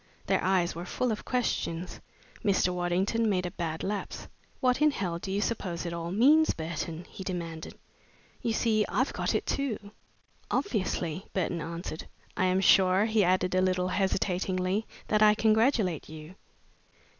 Their eyes were full of questions. Mr. Waddington made a bad lapse. "What in hell do you suppose it all means, Burton?" he demanded. "You see, I've got it too!" "Obviously," Burton answered. "I am sure," he added, a little hesitatingly, "that I congratulate you."